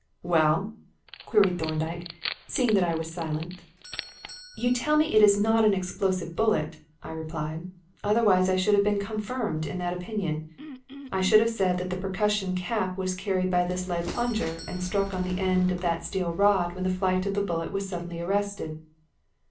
"Well?" queried Thorndyke, seeing that I was still silent. "You tell me it is not an explosive bullet," I replied, "otherwise I should have been confirmed in that opinion. I should have said that the percussion cap was carried by this lead plunger and struck on the end of that steel rod when the flight of the bullet was suddenly arrested."